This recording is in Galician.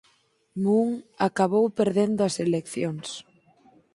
Moon acabou perdendo as eleccións.